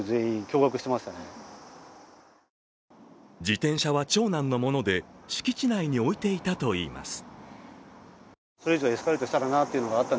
自転車は長男のもので敷地内に置いていたといいます。